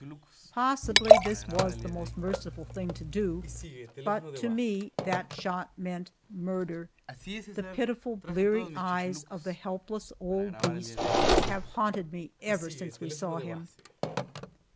Possibly this was the most merciful thing to do, but to me that shot meant murder. The pitiful bleary eyes of the helpless old beast have haunted me ever since we saw him.